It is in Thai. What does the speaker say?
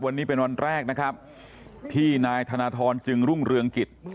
วันนี้เป็นวันแรกนะครับที่นายธนทรจึงรุ่งเรืองกิจ